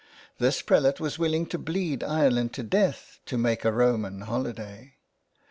This prelate was willing to bleed Ireland to death to make a Roman holiday.